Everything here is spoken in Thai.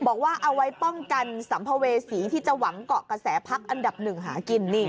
บอกว่าเอาไว้ป้องกันสัมภเวษีที่จะหวังเกาะกระแสพักอันดับหนึ่งหากิน